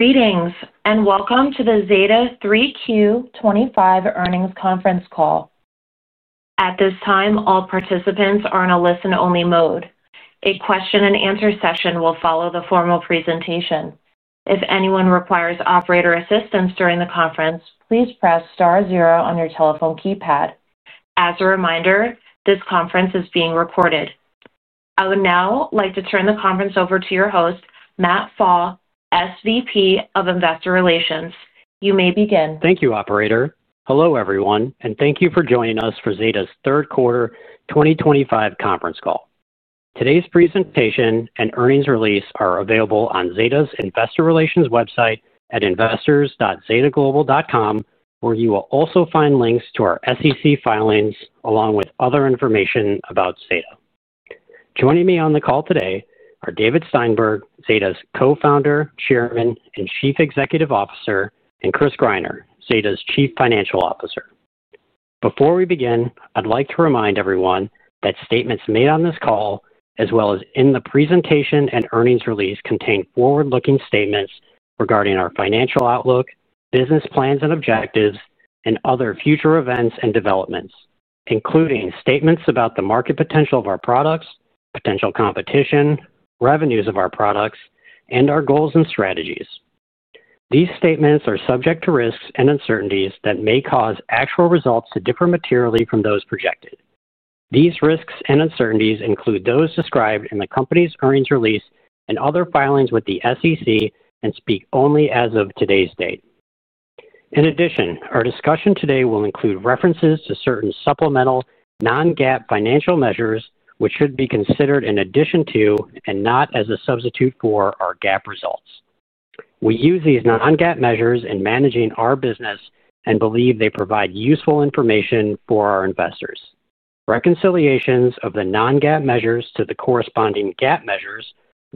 Greetings and welcome to the Zeta 3Q 2025 earnings conference call. At this time, all participants are in a listen-only mode. A question-and-answer session will follow the formal presentation. If anyone requires operator assistance during the conference, please press star zero on your telephone keypad. As a reminder, this conference is being recorded. I would now like to turn the conference over to your host, Matthew Pfau, SVP of Investor Relations. You may begin. Thank you, Operator. Hello everyone, and thank you for joining us for Zeta's third quarter 2025 conference call. Today's presentation and earnings release are available on Zeta's Investor Relations website at investors.zetaGlobal.com, where you will also find links to our SEC filings along with other information about Zeta. Joining me on the call today are David Steinberg, Zeta's Co-founder, Chairman, and Chief Executive Officer, and Chris Greiner, Zeta's Chief Financial Officer. Before we begin, I'd like to remind everyone that statements made on this call, as well as in the presentation and earnings release, contain forward-looking statements regarding our financial outlook, business plans and objectives, and other future events and developments, including statements about the market potential of our products, potential competition, revenues of our products, and our goals and strategies. These statements are subject to risks and uncertainties that may cause actual results to differ materially from those projected. These risks and uncertainties include those described in the company's earnings release and other filings with the SEC and speak only as of today's date. In addition, our discussion today will include references to certain supplemental non-GAAP financial measures, which should be considered in addition to and not as a substitute for our GAAP results. We use these non-GAAP measures in managing our business and believe they provide useful information for our investors. Reconciliations of the non-GAAP measures to the corresponding GAAP measures,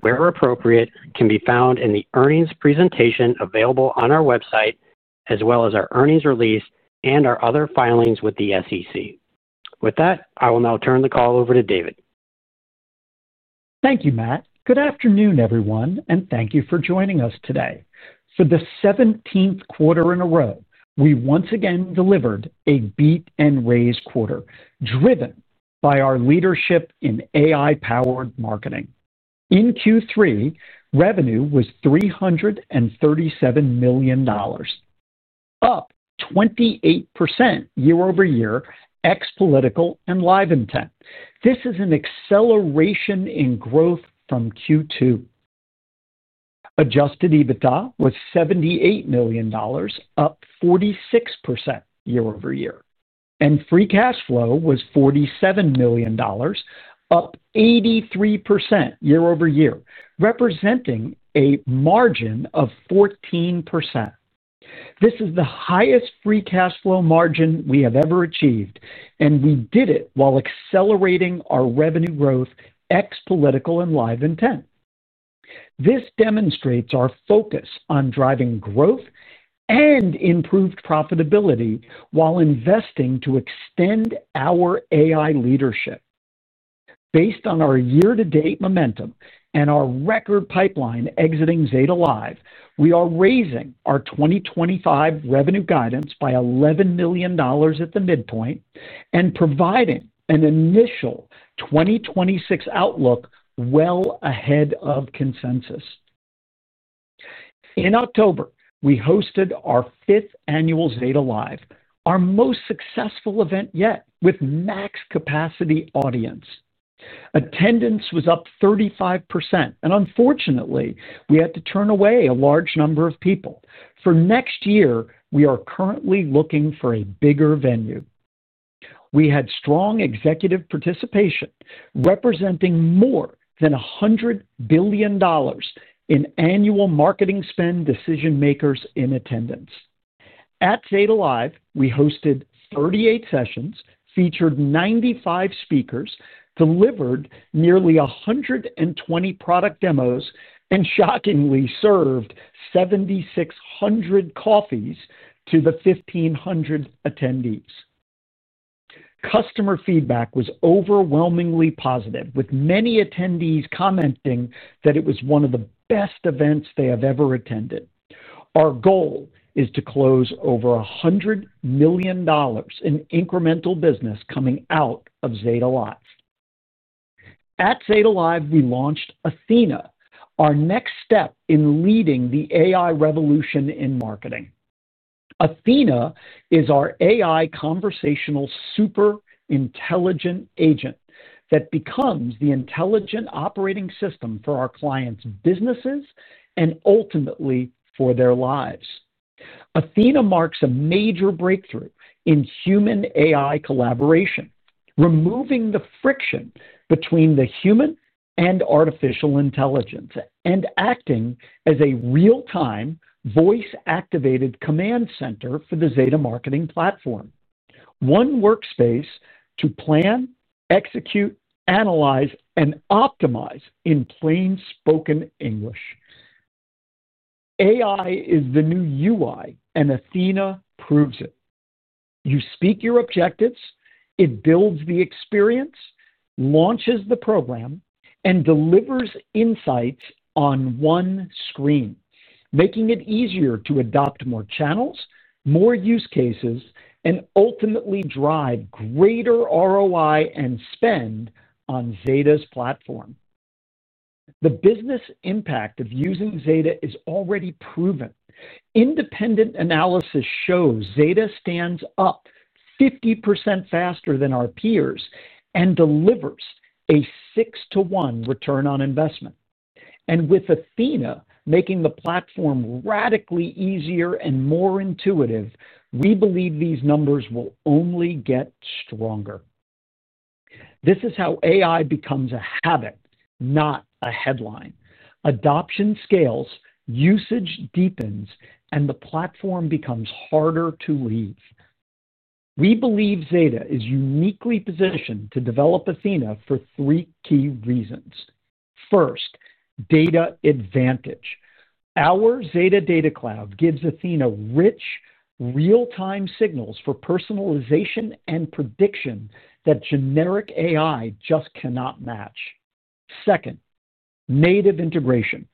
where appropriate, can be found in the earnings presentation available on our website, as well as our earnings release and our other filings with the SEC. With that, I will now turn the call over to David. Thank you, Matt. Good afternoon, everyone, and thank you for joining us today. For the 17th quarter in a row, we once again delivered a beat-and-raise quarter driven by our leadership in AI-powered marketing. In Q3, revenue was $337 million, up 28% year over year ex-political and LiveIntent. This is an acceleration in growth from Q2. Adjusted EBITDA was $78 million, up 46% year over year. And free cash flow was $47 million, up 83% year over year, representing a margin of 14%. This is the highest free cash flow margin we have ever achieved, and we did it while accelerating our revenue growth ex-political and LiveIntent. This demonstrates our focus on driving growth and improved profitability while investing to extend our AI leadership. Based on our year-to-date momentum and our record pipeline exiting Zeta Live, we are raising our 2025 revenue guidance by $11 million at the midpoint and providing an initial 2026 outlook well ahead of consensus. In October, we hosted our fifth annual Zeta Live, our most successful event yet with max-capacity audience. Attendance was up 35%, and unfortunately, we had to turn away a large number of people. For next year, we are currently looking for a bigger venue. We had strong executive participation, representing more than $100 billion in annual marketing spend. Decision makers in attendance. At Zeta Live, we hosted 38 sessions, featured 95 speakers, delivered nearly 120 product demos, and shockingly served 7,600 coffees to the 1,500 attendees. Customer feedback was overwhelmingly positive, with many attendees commenting that it was one of the best events they have ever attended. Our goal is to close over $100 million in incremental business coming out of Zeta Live. At Zeta Live, we launched Athena, our next step in leading the AI revolution in marketing. Athena is our AI conversational super intelligent agent that becomes the intelligent operating system for our clients' businesses and ultimately for their lives. Athena marks a major breakthrough in human-AI collaboration, removing the friction between the human and artificial intelligence and acting as a real-time voice-activated command center for the Zeta Marketing Platform. One workspace to plan, execute, analyze, and optimize in plain spoken English. AI is the new UI, and Athena proves it. You speak your objectives, it builds the experience, launches the program, and delivers insights on one screen, making it easier to adopt more channels, more use cases, and ultimately drive greater ROI and spend on Zeta's platform. The business impact of using Zeta is already proven. Independent analysis shows Zeta stands up 50% faster than our peers and delivers a six-to-one return on investment. And with Athena making the platform radically easier and more intuitive, we believe these numbers will only get stronger. This is how AI becomes a habit, not a headline. Adoption scales, usage deepens, and the platform becomes harder to leave. We believe Zeta is uniquely positioned to develop Athena for three key reasons. First, data advantage. Our Zeta Data Cloud gives Athena rich, real-time signals for personalization and prediction that generic AI just cannot match. Second. Native integration.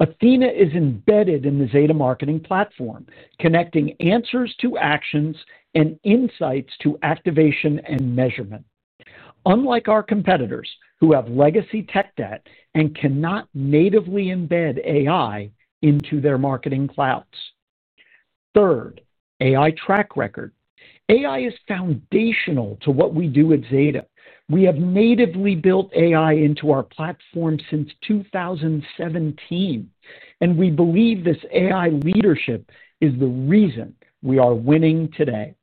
Athena is embedded in the Zeta Marketing Platform, connecting answers to actions and insights to activation and measurement. Unlike our competitors who have legacy tech debt and cannot natively embed AI into their marketing clouds. Third, AI track record. AI is foundational to what we do at Zeta. We have natively built AI into our platform since 2017. And we believe this AI leadership is the reason we are winning today.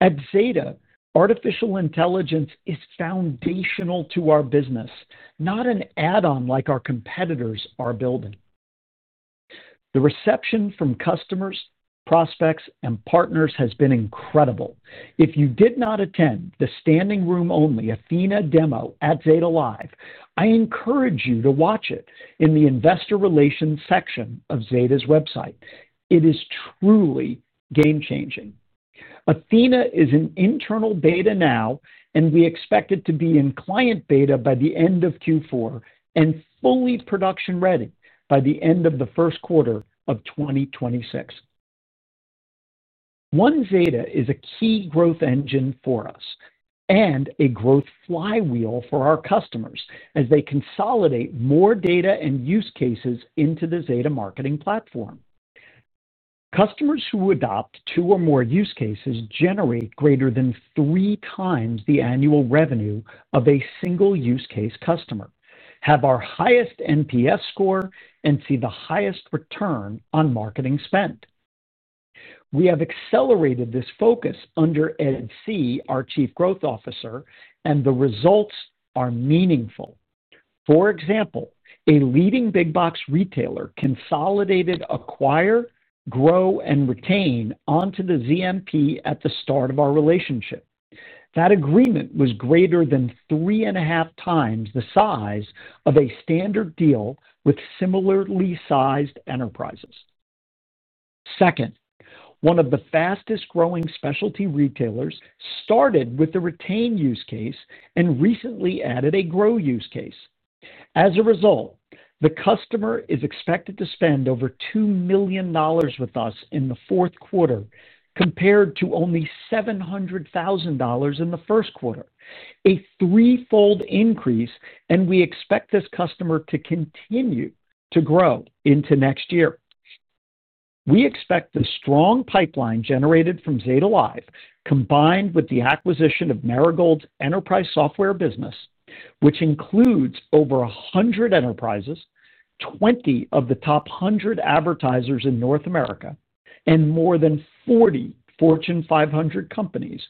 At Zeta, artificial intelligence is foundational to our business, not an add-on like our competitors are building. The reception from customers, prospects, and partners has been incredible. If you did not attend the standing room-only Athena demo at Zeta Live, I encourage you to watch it in the investor relations section of Zeta's website. It is truly game-changing. Athena is in internal beta now, and we expect it to be in client beta by the end of Q4 and fully production-ready by the end of the first quarter of 2026. OneZeta is a key growth engine for us and a growth flywheel for our customers as they consolidate more data and use cases into the Zeta Marketing Platform. Customers who adopt two or more use cases generate greater than 3x the annual revenue of a single use case customer, have our highest NPS score, and see the highest return on marketing spend. We have accelerated this focus under Ed See, our Chief Growth Officer, and the results are meaningful. For example, a leading big box retailer consolidated, acquire, grow, and retain onto the ZMP at the start of our relationship. That agreement was greater than 3.5x the size of a standard deal with similarly sized enterprises. Second, one of the fastest-growing specialty retailers started with the retain use case and recently added a grow use case. As a result, the customer is expected to spend over $2 million with us in the fourth quarter, compared to only $700,000 in the first quarter, a threefold increase, and we expect this customer to continue to grow into next year. We expect the strong pipeline generated from Zeta Live, combined with the acquisition of Marigold's enterprise software business, which includes over 100 enterprises, 20 of the top 100 advertisers in North America, and more than 40 Fortune 500 companies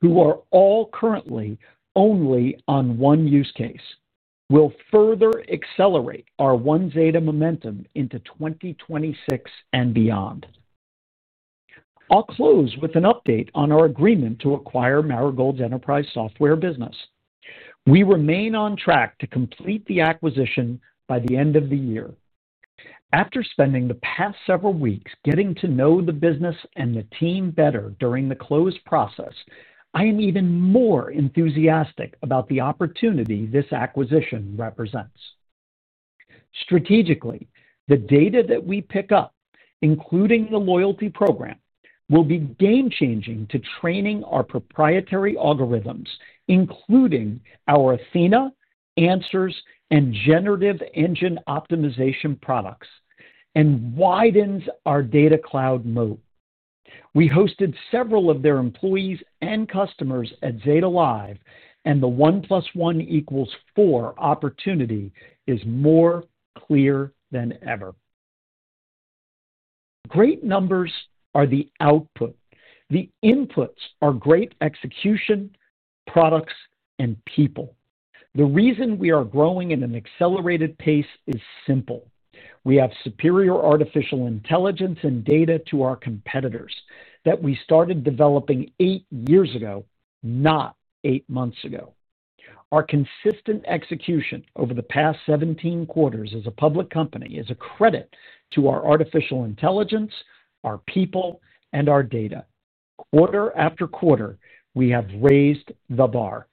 who are all currently only on one use case, will further accelerate our OneZeta momentum into 2026 and beyond. I'll close with an update on our agreement to acquire Marigold's enterprise software business. We remain on track to complete the acquisition by the end of the year. After spending the past several weeks getting to know the business and the team better during the close process. I am even more enthusiastic about the opportunity this acquisition represents. Strategically, the data that we pick up, including the loyalty program, will be game-changing to training our proprietary algorithms, including our Athena answers and generative engine optimization products, and widens our data cloud moat. We hosted several of their employees and customers at Zeta Live, and the one plus one equals four opportunity is more clear than ever. Great numbers are the output. The inputs are great execution, products, and people. The reason we are growing at an accelerated pace is simple. We have superior artificial intelligence and data to our competitors that we started developing eight years ago, not eight months ago. Our consistent execution over the past 17 quarters as a public company is a credit to our artificial intelligence, our people, and our data. Quarter after quarter, we have raised the bar.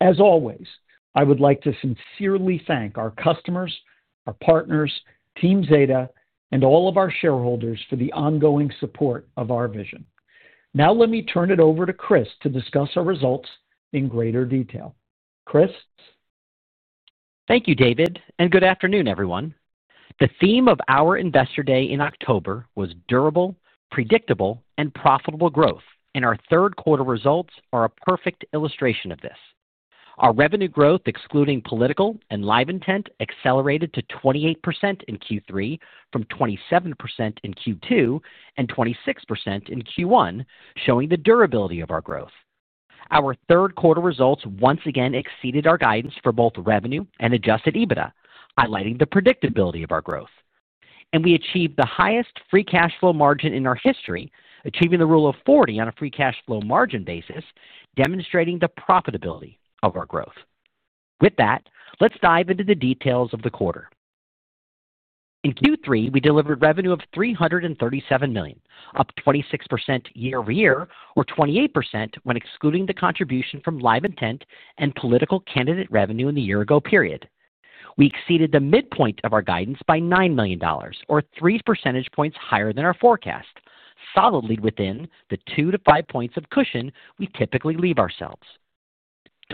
As always, I would like to sincerely thank our customers, our partners, Team Zeta, and all of our shareholders for the ongoing support of our vision. Now, let me turn it over to Chris to discuss our results in greater detail. Chris. Thank you, David, and good afternoon, everyone. The theme of our investor day in October was durable, predictable, and profitable growth, and our third-quarter results are a perfect illustration of this. Our revenue growth, excluding political and LiveIntent, accelerated to 28% in Q3 from 27% in Q2 and 26% in Q1, showing the durability of our growth. Our third-quarter results once again exceeded our guidance for both revenue and Adjusted EBITDA, highlighting the predictability of our growth. And we achieved the highest free cash flow margin in our history, achieving the rule of 40 on a free cash flow margin basis, demonstrating the profitability of our growth. With that, let's dive into the details of the quarter. In Q3, we delivered revenue of $337 million, up 26% year over year, or 28% when excluding the contribution from LiveIntent and political candidate revenue in the year-ago period. We exceeded the midpoint of our guidance by $9 million, or three percentage points higher than our forecast, solidly within the two to five points of cushion we typically leave ourselves.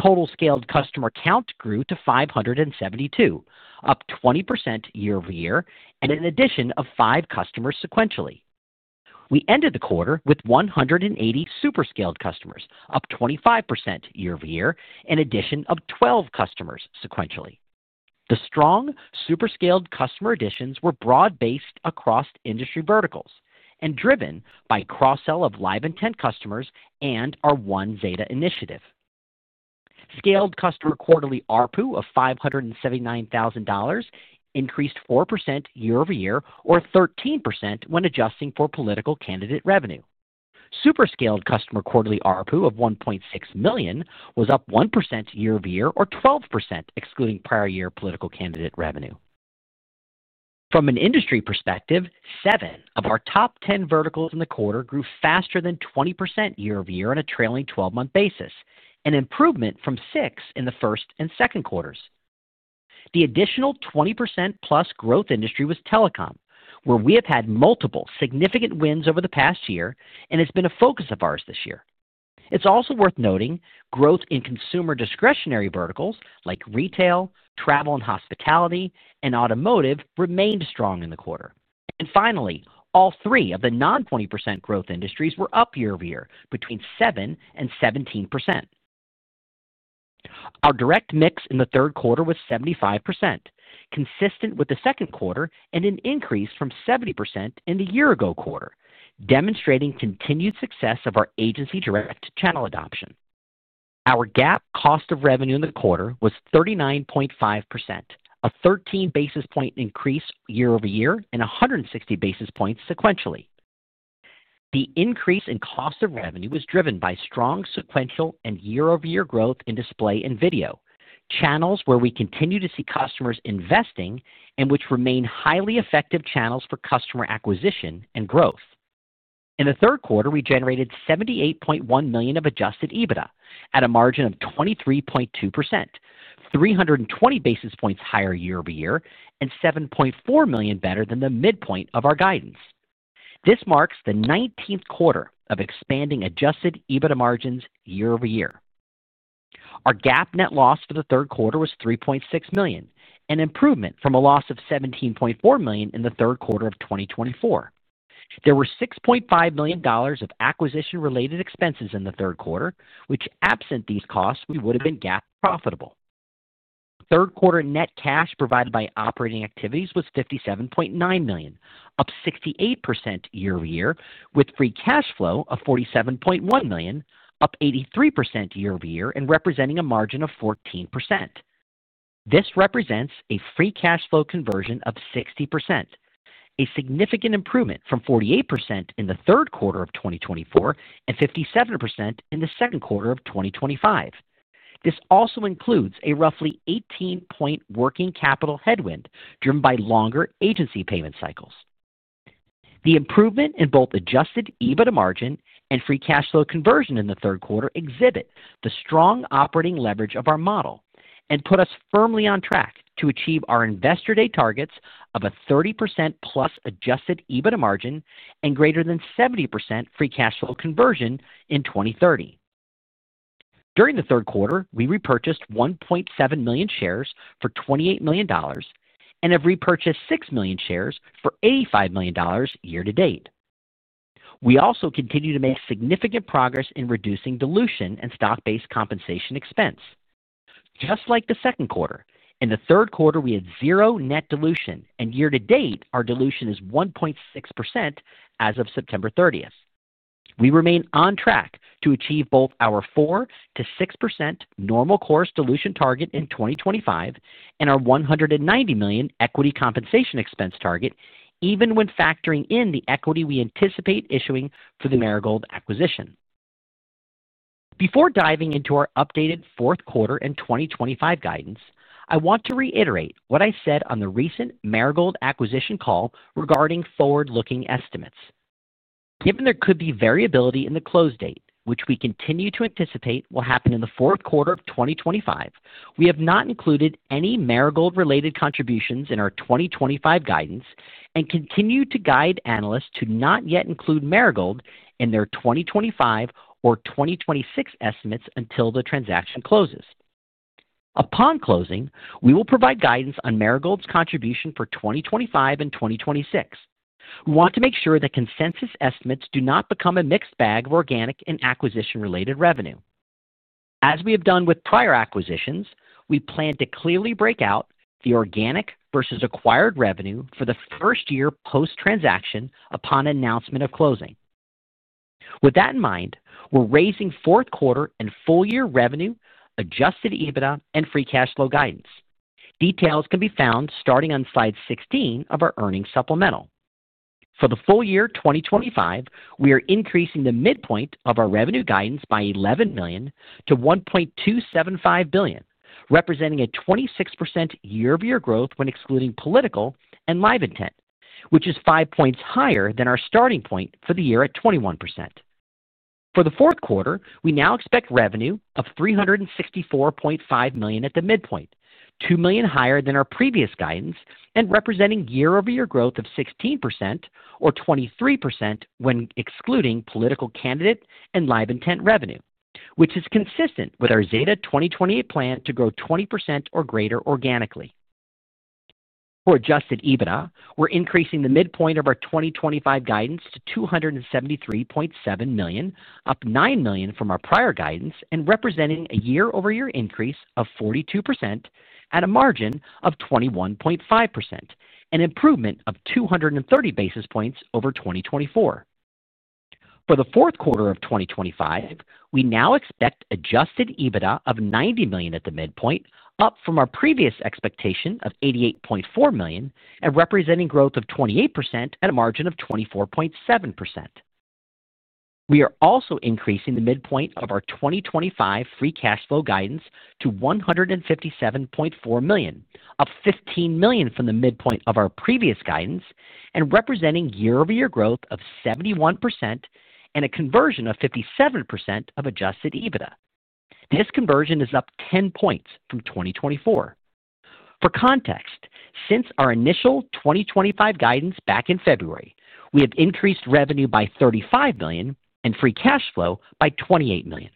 Total scaled customer count grew to 572, up 20% year over year, and an addition of five customers sequentially. We ended the quarter with 180 super scaled customers, up 25% year over year, an addition of 12 customers sequentially. The strong super scaled customer additions were broad-based across industry verticals and driven by cross-sell of LiveIntent customers and our OneZeta initiative. Scaled customer quarterly RPU of $579,000 increased 4% year over year, or 13% when adjusting for political candidate revenue. Super scaled customer quarterly RPU of $1.6 million was up 1% year over year, or 12% excluding prior year political candidate revenue. From an industry perspective, seven of our top 10 verticals in the quarter grew faster than 20% year over year on a trailing 12-month basis, an improvement from six in the first and second quarters. The additional 20% plus growth industry was telecom, where we have had multiple significant wins over the past year and has been a focus of ours this year. It's also worth noting growth in consumer discretionary verticals like retail, travel and hospitality, and automotive remained strong in the quarter. And finally, all three of the non-20% growth industries were up year over year between 7% and 17%. Our direct mix in the third quarter was 75%, consistent with the second quarter and an increase from 70% in the year-ago quarter, demonstrating continued success of our agency direct channel adoption. Our GAAP cost of revenue in the quarter was 39.5%, a 13 basis points increase year over year and 160 basis points sequentially. The increase in cost of revenue was driven by strong sequential and year-over-year growth in display and video, channels where we continue to see customers investing and which remain highly effective channels for customer acquisition and growth. In the third quarter, we generated $78.1 million of Adjusted EBITDA at a margin of 23.2%, 320 basis points higher year over year and $7.4 million better than the midpoint of our guidance. This marks the 19th quarter of expanding Adjusted EBITDA margins year over year. Our GAAP net loss for the third quarter was $3.6 million, an improvement from a loss of $17.4 million in the third quarter of 2024. There were $6.5 million of acquisition-related expenses in the third quarter, which absent these costs, we would have been GAAP profitable. Third quarter net cash provided by operating activities was $57.9 million, up 68% year over year, with free cash flow of $47.1 million, up 83% year over year, and representing a margin of 14%. This represents a free cash flow conversion of 60%, a significant improvement from 48% in the third quarter of 2024 and 57% in the second quarter of 2025. This also includes a roughly 18-point working capital headwind driven by longer agency payment cycles. The improvement in both Adjusted EBITDA margin and free cash flow conversion in the third quarter exhibit the strong operating leverage of our model and put us firmly on track to achieve our investor day targets of a 30% plus Adjusted EBITDA margin and greater than 70% free cash flow conversion in 2030. During the third quarter, we repurchased 1.7 million shares for $28 million and have repurchased 6 million shares for $85 million year to date. We also continue to make significant progress in reducing dilution and stock-based compensation expense. Just like the second quarter, in the third quarter, we had zero net dilution, and year to date, our dilution is 1.6% as of September 30th. We remain on track to achieve both our 4%-6% normal course dilution target in 2025 and our $190 million equity compensation expense target, even when factoring in the equity we anticipate issuing for the Marigold acquisition. Before diving into our updated fourth quarter and 2025 guidance, I want to reiterate what I said on the recent Marigold acquisition call regarding forward-looking estimates. Given there could be variability in the close date, which we continue to anticipate will happen in the fourth quarter of 2025, we have not included any Marigold-related contributions in our 2025 guidance and continue to guide analysts to not yet include Marigold in their 2025 or 2026 estimates until the transaction closes. Upon closing, we will provide guidance on Marigold's contribution for 2025 and 2026. We want to make sure that consensus estimates do not become a mixed bag of organic and acquisition-related revenue. As we have done with prior acquisitions, we plan to clearly break out the organic versus acquired revenue for the first year post-transaction upon announcement of closing. With that in mind, we're raising fourth quarter and full year revenue, Adjusted EBITDA, and free cash flow guidance. Details can be found starting on slide 16 of our earnings supplemental. For the full year 2025, we are increasing the midpoint of our revenue guidance by $11 million to $1.275 billion, representing a 26% year-over-year growth when excluding political and LiveIntent, which is five points higher than our starting point for the year at 21%. For the fourth quarter, we now expect revenue of $364.5 million at the midpoint, $2 million higher than our previous guidance and representing year-over-year growth of 16% or 23% when excluding political candidate and LiveIntent revenue, which is consistent with our Zeta 2028 plan to grow 20% or greater organically. For Adjusted EBITDA, we're increasing the midpoint of our 2025 guidance to $273.7 million, up $9 million from our prior guidance and representing a year-over-year increase of 42% at a margin of 21.5%, an improvement of 230 basis points over 2024. For the fourth quarter of 2025, we now expect Adjusted EBITDA of $90 million at the midpoint, up from our previous expectation of $88.4 million and representing growth of 28% at a margin of 24.7%. We are also increasing the midpoint of our 2025 Free Cash Flow guidance to $157.4 million, up $15 million from the midpoint of our previous guidance and representing year-over-year growth of 71% and a conversion of 57% of Adjusted EBITDA. This conversion is up 10 points from 2024. For context, since our initial 2025 guidance back in February, we have increased revenue by $35 million and Free Cash Flow by $28 million.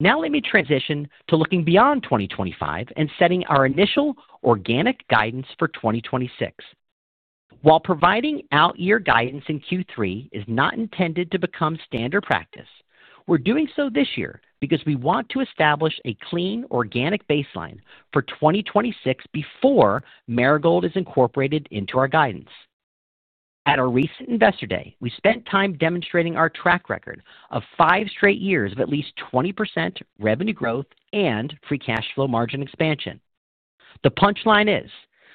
Now, let me transition to looking beyond 2025 and setting our initial organic guidance for 2026. While providing out-year guidance in Q3 is not intended to become standard practice, we're doing so this year because we want to establish a clean organic baseline for 2026 before Marigold is incorporated into our guidance. At our recent investor day, we spent time demonstrating our track record of five straight years of at least 20% revenue growth and Free Cash Flow margin expansion. The punchline is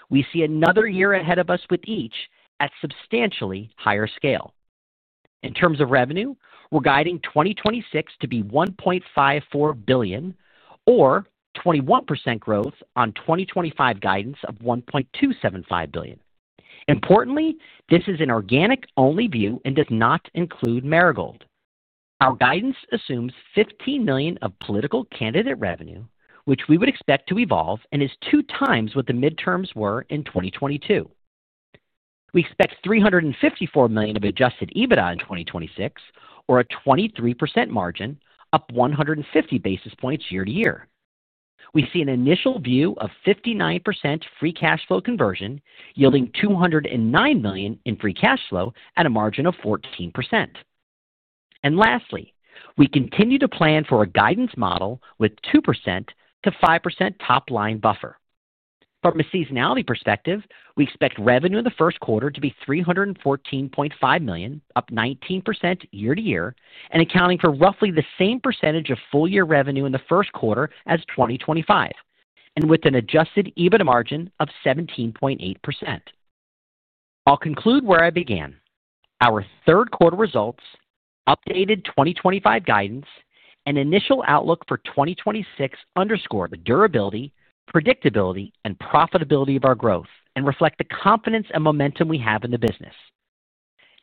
we see another year ahead of us with each at substantially higher scale. In terms of revenue, we're guiding 2026 to be $1.54 billion, or 21% growth on 2025 guidance of $1.275 billion. Importantly, this is an organic-only view and does not include Marigold. Our guidance assumes $15 million of political candidate revenue, which we would expect to evolve and is 2x what the midterms were in 2022. We expect $354 million of Adjusted EBITDA in 2026, or a 23% margin, up 150 basis points year to year. We see an initial view of 59% Free Cash Flow conversion yielding $209 million in Free Cash Flow at a margin of 14%. And lastly, we continue to plan for a guidance model with 2%-5% top-line buffer. From a seasonality perspective, we expect revenue in the first quarter to be $314.5 million, up 19% year to year, and accounting for roughly the same percentage of full year revenue in the first quarter as 2025, and with an Adjusted EBITDA margin of 17.8%. I'll conclude where I began. Our third quarter results, updated 2025 guidance, and initial outlook for 2026 underscore the durability, predictability, and profitability of our growth and reflect the confidence and momentum we have in the business.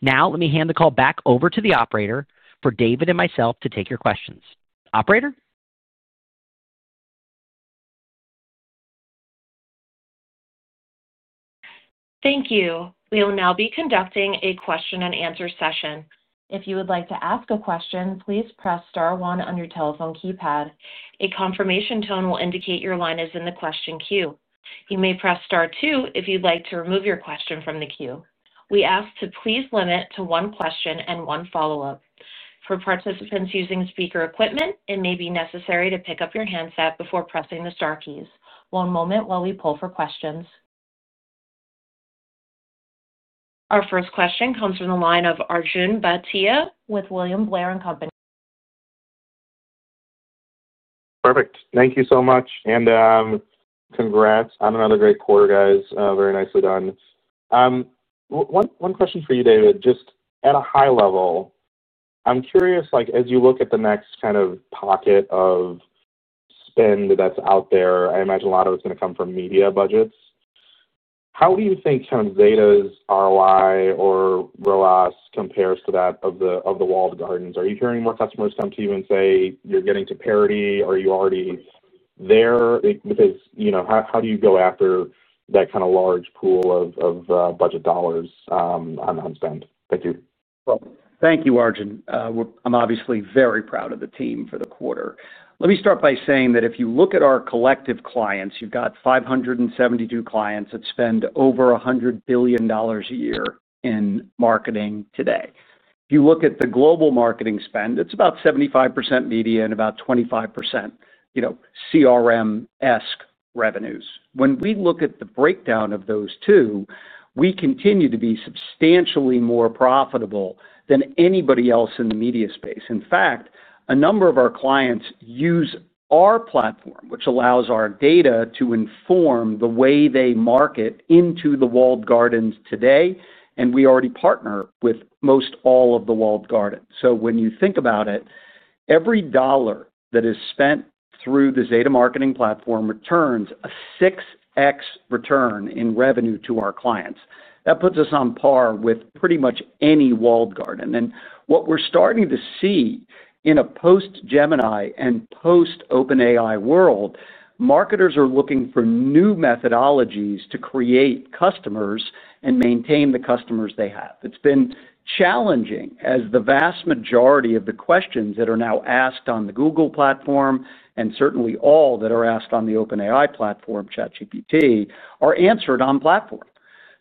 Now, let me hand the call back over to the operator for David and myself to take your questions. Operator. Thank you. We will now be conducting a question-and-answer session. If you would like to ask a question, please press star one on your telephone keypad. A confirmation tone will indicate your line is in the question queue. You may press star two if you'd like to remove your question from the queue. We ask to please limit to one question and one follow-up. For participants using speaker equipment, it may be necessary to pick up your handset before pressing the star keys. One moment while we pull for questions. Our first question comes from the line of Arjun Bhatia with William Blair and Company. Perfect. Thank you so much. And. Congrats on another great quarter, guys. Very nicely done. One question for you, David, just at a high level. I'm curious, as you look at the next kind of pocket of. Spend that's out there, I imagine a lot of it's going to come from media budgets. How do you think Zeta's ROI or ROAS compares to that of the walled gardens? Are you hearing more customers come to you and say, "You're getting to parity," or are you already there? Because how do you go after that kind of large pool of budget dollars on spend? Thank you. Thank you, Arjun. I'm obviously very proud of the team for the quarter. Let me start by saying that if you look at our collective clients, you've got 572 clients that spend over $100 billion a year in marketing today. If you look at the global marketing spend, it's about 75% media and about 25% CRM-esque revenues. When we look at the breakdown of those two, we continue to be substantially more profitable than anybody else in the media space. In fact, a number of our clients use our platform, which allows our data to inform the way they market into the walled gardens today, and we already partner with most all of the walled gardens. So when you think about it, every dollar that is spent through the Zeta Marketing Platform returns a 6x return in revenue to our clients. That puts us on par with pretty much any walled garden. And what we're starting to see in a post-Gemini and post-OpenAI world. Marketers are looking for new methodologies to create customers and maintain the customers they have. It's been challenging as the vast majority of the questions that are now asked on the Google platform, and certainly all that are asked on the OpenAI platform, ChatGPT, are answered on platform.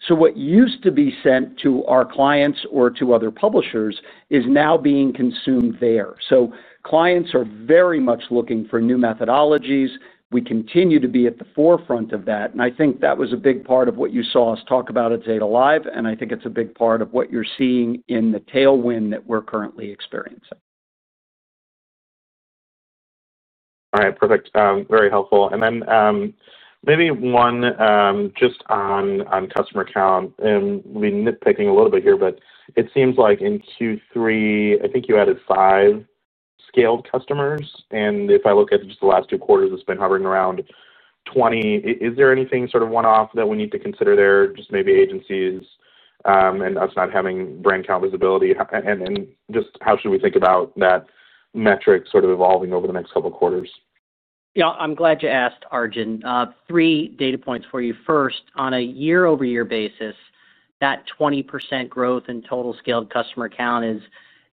So what used to be sent to our clients or to other publishers is now being consumed there. So clients are very much looking for new methodologies. We continue to be at the forefront of that. And I think that was a big part of what you saw us talk about at Zeta Live, and I think it's a big part of what you're seeing in the tailwind that we're currently experiencing. All right. Perfect. Very helpful. And then. Maybe one just on customer count. And we'll be nitpicking a little bit here, but it seems like in Q3, I think you added five scaled customers. And if I look at just the last two quarters, it's been hovering around 20%. Is there anything sort of one-off that we need to consider there, just maybe agencies. And us not having brand count visibility? And just how should we think about that metric sort of evolving over the next couple of quarters? Yeah. I'm glad you asked, Arjun. Three data points for you. First, on a year-over-year basis, that 20% growth in total scaled customer count is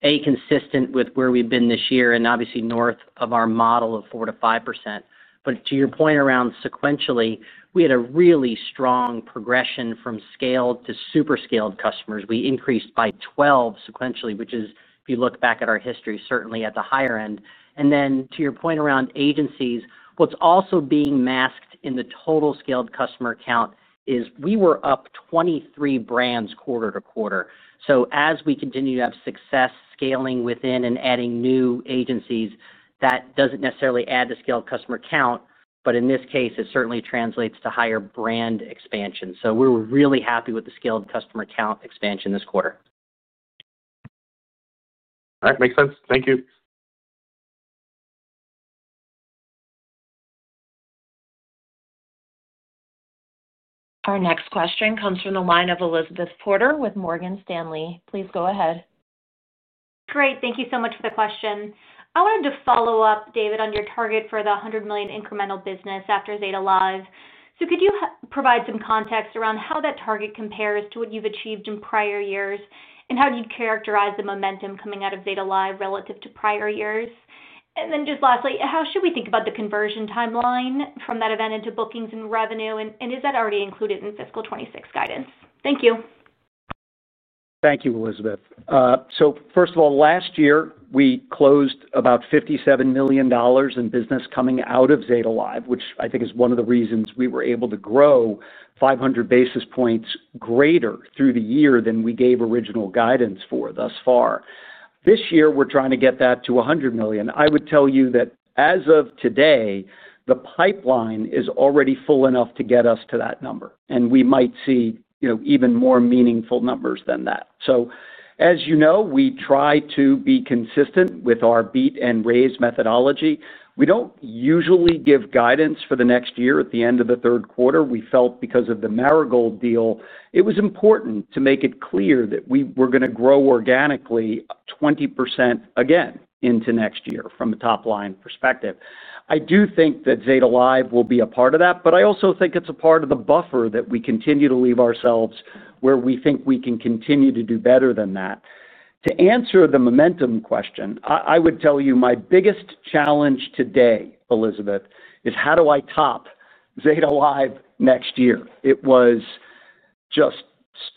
a, consistent with where we've been this year and obviously north of our model of 4%-5%. But to your point around sequentially, we had a really strong progression from scaled to super scaled customers. We increased by 12 sequentially, which is, if you look back at our history, certainly at the higher end. And then to your point around agencies, what's also being masked in the total scaled customer count is we were up 23 brands quarter to quarter. So as we continue to have success scaling within and adding new agencies, that doesn't necessarily add to scaled customer count, but in this case, it certainly translates to higher brand expansion. So we're really happy with the scaled customer count expansion this quarter. All right. Makes sense. Thank you. Our next question comes from the line of Elizabeth Porter with Morgan Stanley. Please go ahead. Great. Thank you so much for the question. I wanted to follow up, David, on your target for the $100 million incremental business after Zeta Live. So could you provide some context around how that target compares to what you've achieved in prior years and how you'd characterize the momentum coming out of Zeta Live relative to prior years? And then just lastly, how should we think about the conversion timeline from that event into bookings and revenue? And is that already included in fiscal 2026 guidance? Thank you. Thank you, Elizabeth. So first of all, last year, we closed about $57 million in business coming out of Zeta Live, which I think is one of the reasons we were able to grow 500 basis points greater through the year than we gave original guidance for thus far. This year, we're trying to get that to $100 million. I would tell you that as of today, the pipeline is already full enough to get us to that number, and we might see even more meaningful numbers than that. So as you know, we try to be consistent with our beat-and-raise methodology. We don't usually give guidance for the next year at the end of the third quarter. We felt because of the Marigold deal, it was important to make it clear that we were going to grow organically 20% again into next year from a top-line perspective. I do think that Zeta Live will be a part of that, but I also think it's a part of the buffer that we continue to leave ourselves where we think we can continue to do better than that. To answer the momentum question, I would tell you my biggest challenge today, Elizabeth, is how do I top Zeta Live next year? It was just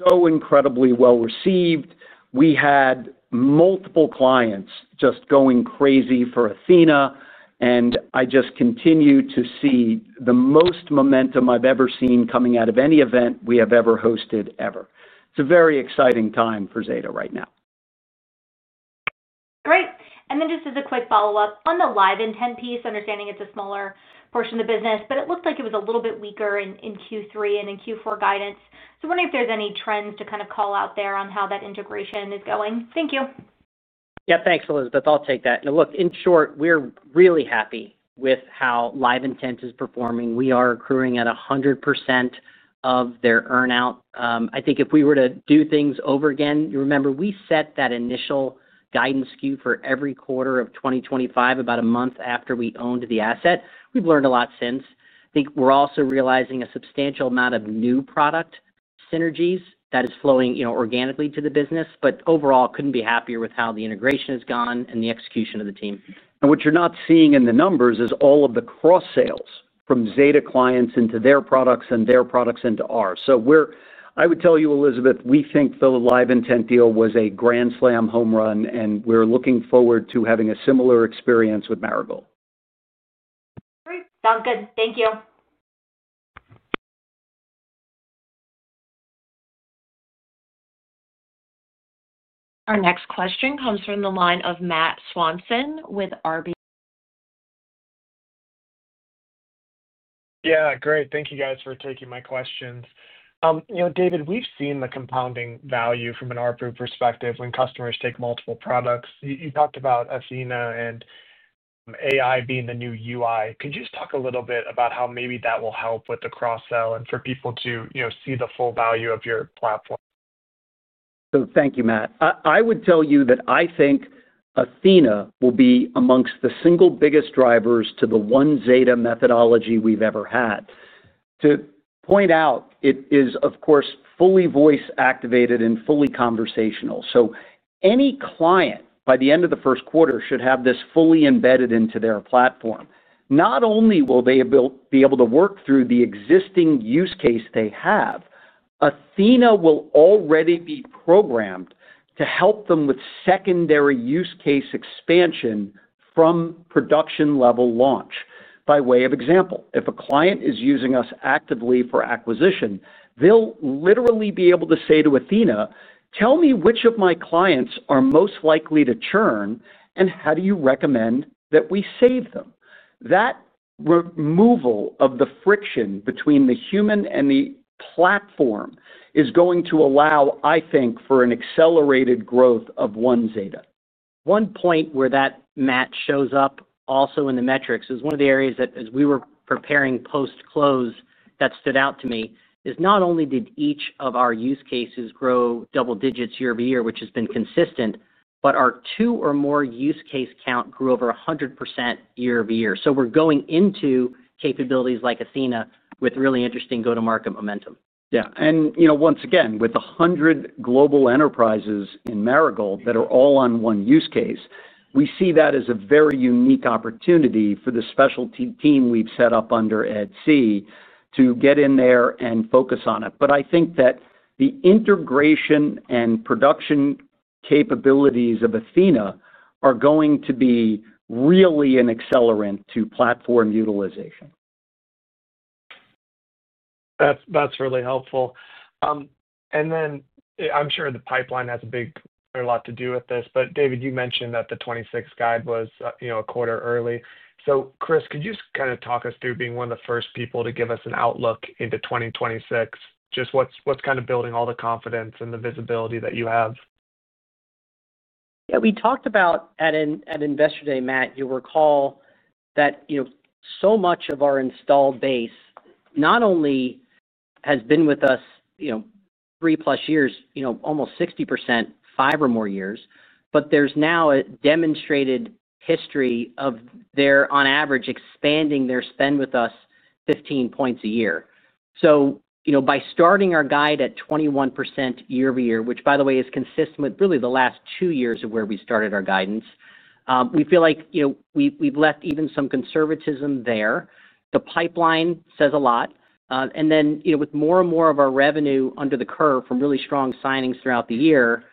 so incredibly well received. We had multiple clients just going crazy for Athena, and I just continue to see the most momentum I've ever seen coming out of any event we have ever hosted ever. It's a very exciting time for Zeta right now. Great. And then just as a quick follow-up, on the LiveIntent piece, understanding it's a smaller portion of the business, but it looked like it was a little bit weaker in Q3 and in Q4 guidance. So I'm wondering if there's any trends to kind of call out there on how that integration is going. Thank you. Yeah. Thanks, Elizabeth. I'll take that. And look, in short, we're really happy with how LiveIntent is performing. We are accruing at 100% of their earnout. I think if we were to do things over again, remember we set that initial guidance skew for every quarter of 2025 about a month after we owned the asset. We've learned a lot since. I think we're also realizing a substantial amount of new product synergies that is flowing organically to the business. But overall, couldn't be happier with how the integration has gone and the execution of the team. And what you're not seeing in the numbers is all of the cross-sales from Zeta clients into their products and their products into ours. So I would tell you, Elizabeth, we think the LiveIntent deal was a grand slam home run, and we're looking forward to having a similar experience with Marigold. Great. Sounds good. Thank you. Our next question comes from the line of Matt Swanson with RB. Yeah. Great. Thank you, guys, for taking my questions. David, we've seen the compounding value from an RB perspective when customers take multiple products. You talked about Athena and AI being the new UI. Could you just talk a little bit about how maybe that will help with the cross-sell and for people to see the full value of your platform? So thank you, Matt. I would tell you that I think Athena will be amongst the single biggest drivers to the OneZeta methodology we've ever had. To point out, it is, of course, fully voice-activated and fully conversational. So any client by the end of the first quarter should have this fully embedded into their platform. Not only will they be able to work through the existing use case they have, Athena will already be programmed to help them with secondary use case expansion from production-level launch. By way of example, if a client is using us actively for acquisition, they'll literally be able to say to Athena, "Tell me which of my clients are most likely to churn, and how do you recommend that we save them?" That. Removal of the friction between the human and the platform is going to allow, I think, for an accelerated growth of OneZeta. One point where that match shows up also in the metrics is one of the areas that, as we were preparing post-close, that stood out to me is not only did each of our use cases grow double digits year-over-year, which has been consistent, but our two or more use case count grew over 100% year-over-year. So we're going into capabilities like Athena with really interesting go-to-market momentum. Yeah. And once again, with 100 global enterprises in Marigold that are all on one use case, we see that as a very unique opportunity for the specialty team we've set up under Ed See to get in there and focus on it. But I think that the integration and production. Capabilities of Athena are going to be really an accelerant to platform utilization. That's really helpful. And then I'm sure the pipeline has a big lot to do with this. But David, you mentioned that the 2026 guide was a quarter early. So Chris, could you just kind of talk us through being one of the first people to give us an outlook into 2026? Just what's kind of building all the confidence and the visibility that you have? Yeah. We talked about at investor day, Matt, you'll recall that. So much of our installed base not only. Has been with us. Three-plus years, almost 60%, five or more years, but there's now a demonstrated history of their, on average, expanding their spend with us 15 points a year. So by starting our guide at 21% year-over-year, which, by the way, is consistent with really the last two years of where we started our guidance, we feel like we've left even some conservatism there. The pipeline says a lot. And then with more and more of our revenue under the curve from really strong signings throughout the year,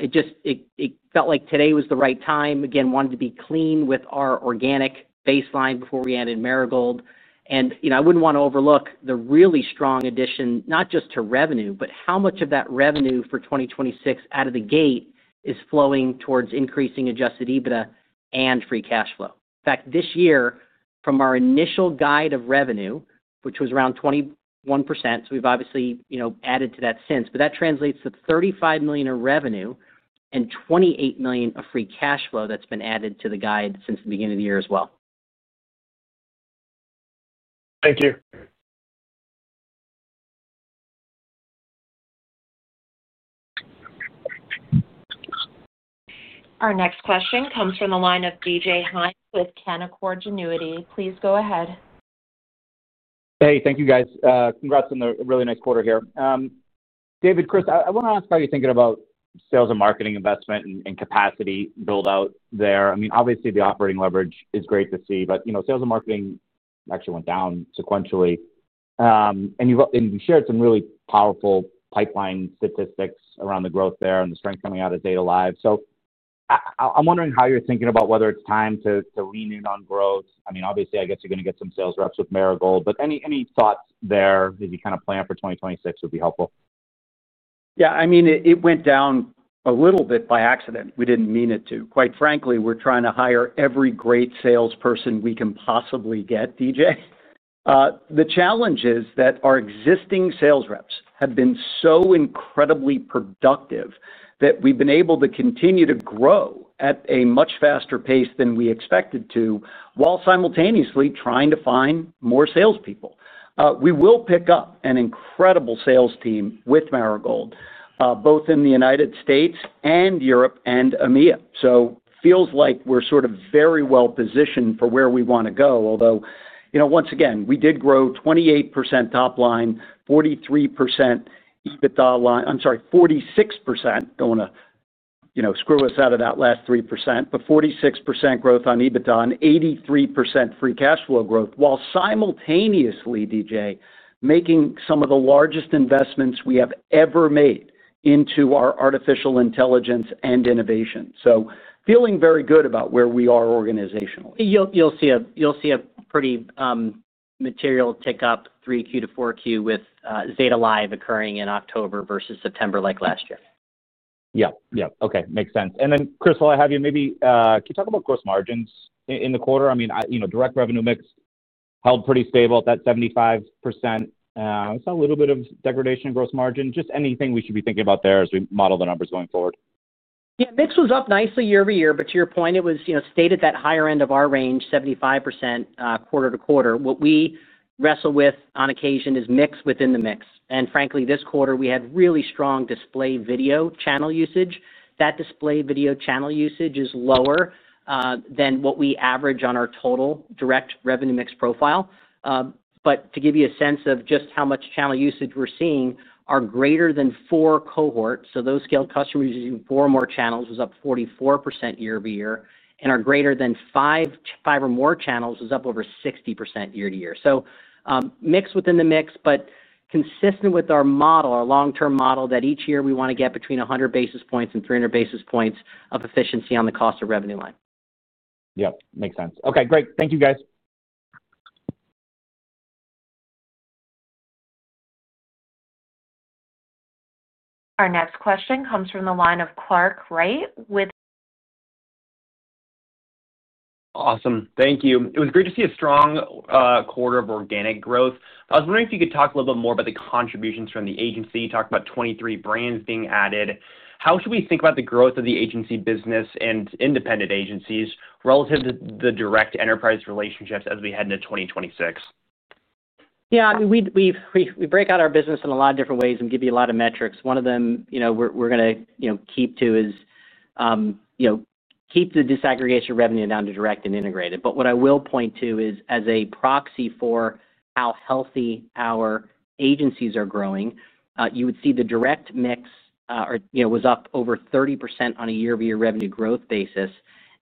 it felt like today was the right time. Again, wanted to be clean with our organic baseline before we added Marigold. And I wouldn't want to overlook the really strong addition, not just to revenue, but how much of that revenue for 2026 out of the gate is flowing towards increasing Adjusted EBITDA and Free Cash Flow. In fact, this year, from our initial guide of revenue, which was around 21%, so we've obviously added to that since, but that translates to $35 million of revenue and $28 million of free cash flow that's been added to the guide since the beginning of the year as well. Thank you. Our next question comes from the line of D.J. Hynes with Canaccord Genuity. Please go ahead. Hey, thank you, guys. Congrats on a really nice quarter here. David, Chris, I want to ask how you're thinking about sales and marketing investment and capacity build-out there. I mean, obviously, the operating leverage is great to see, but sales and marketing actually went down sequentially. And you shared some really powerful pipeline statistics around the growth there and the strength coming out of Zeta Live. So. I'm wondering how you're thinking about whether it's time to lean in on growth. I mean, obviously, I guess you're going to get some sales reps with Marigold. But any thoughts there as you kind of plan for 2026 would be helpful. Yeah. I mean, it went down a little bit by accident. We didn't mean it to. Quite frankly, we're trying to hire every great salesperson we can possibly get, D.J. The challenge is that our existing sales reps have been so incredibly productive that we've been able to continue to grow at a much faster pace than we expected to while simultaneously trying to find more salespeople. We will pick up an incredible sales team with Marigold, both in the United States and Europe and EMEA. So it feels like we're sort of very well positioned for where we want to go, although once again, we did grow 28% top line, 43%. EBITDA line. I'm sorry, 46%. Don't want to. Screw us out of that last 3%, but 46% growth on EBITDA and 83% free cash flow growth while simultaneously, DJ, making some of the largest investments we have ever made into our artificial intelligence and innovation. So feeling very good about where we are organizationally. You'll see a pretty. Material tick up 3Q to 4Q with Zeta Live occurring in October versus September like last year. Yeah. Yeah. Okay. Makes sense. And then, Chris, while I have you, maybe can you talk about gross margins in the quarter? I mean, direct revenue mix held pretty stable at that 75%. I saw a little bit of degradation in gross margin. Just anything we should be thinking about there as we model the numbers going forward? Yeah. Mix was up nicely year-over-year, but to your point, it was at the higher end of our range, 75% quarter to quarter. What we wrestle with on occasion is mix within the mix. And frankly, this quarter, we had really strong display video channel usage. That display video channel usage is lower than what we average on our total direct revenue mix profile. But to give you a sense of just how much channel usage we're seeing, our greater than four cohort, so those scaled customers using four or more channels was up 44% year-over-year, and our greater than five or more channels was up over 60% year-to-year. So mix within the mix, but consistent with our model, our long-term model that each year we want to get between 100 basis points and 300 basis points of efficiency on the cost of revenue line. Yep. Makes sense. Okay. Great. Thank you, guys. Our next question comes from the line of Clark Wright with. Awesome. Thank you. It was great to see a strong quarter of organic growth. I was wondering if you could talk a little bit more about the contributions from the agency. You talked about 23 brands being added. How should we think about the growth of the agency business and independent agencies relative to the direct enterprise relationships as we head into 2026? Yeah. I mean, we break out our business in a lot of different ways and give you a lot of metrics. One of them we're going to keep to is. Keep the disaggregation revenue down to direct and integrated. But what I will point to is, as a proxy for how healthy our agencies are growing, you would see the direct mix was up over 30% on a year-over-year revenue growth basis.